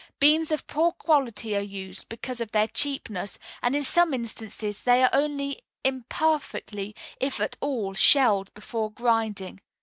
Beans of poor quality are used, because of their cheapness, and in some instances they are only imperfectly, if at all, shelled before grinding.